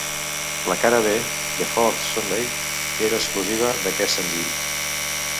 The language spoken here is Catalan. La cara B, "The Fourth Sunday", era exclusiva d'aquest senzill.